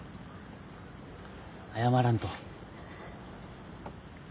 謝らんと。